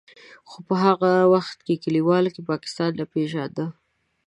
خو په هغه وخت کې کلیو کې پاکستان نه پېژانده.